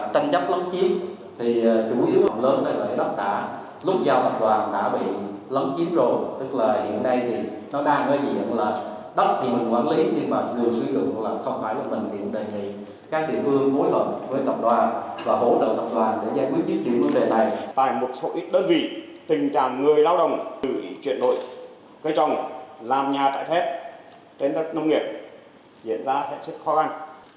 theo đồng từ chuyển đổi cây trồng làm nhà trại phép trên đất nông nghiệp diễn ra hệ sức khó khăn